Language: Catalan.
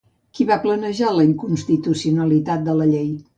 Qui va plantejar la inconstitucionalitat de la llei?